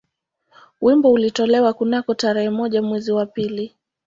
Wimbo ulitolewa kunako tarehe moja mwezi wa pili